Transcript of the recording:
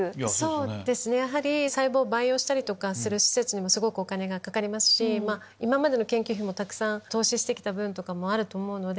細胞を培養したりする施設にもお金がかかりますし今までの研究費もたくさん投資して来た分もあると思うので。